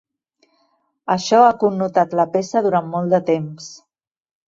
Això ha connotat la peça durant molt de temps.